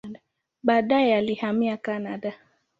Baadaye alihamia Kanada.